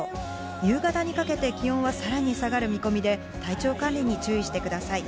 夕方にかけて気温はさらに下がる見込みで、体調管理に注意してください。